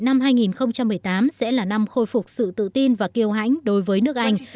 năm hai nghìn một mươi tám sẽ là năm khôi phục sự tự tin và kêu hãnh đối với nước anh